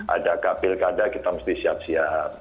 ada kapil kada kita mesti siap siap